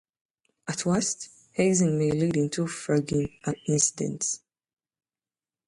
At worst, hazing may lead into fragging incidents.